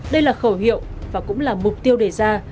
đây là khẩu hiệu và cũng là mục tiêu đề ra